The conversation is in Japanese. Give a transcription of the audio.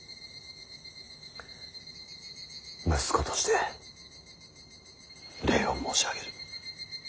息子として礼を申し上げる。